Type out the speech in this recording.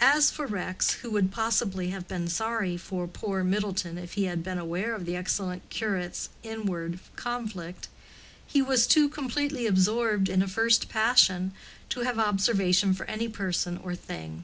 As for Rex, who would possibly have been sorry for poor Middleton if he had been aware of the excellent curate's inward conflict, he was too completely absorbed in a first passion to have observation for any person or thing.